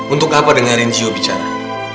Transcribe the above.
untuk apa dengerin gio bicara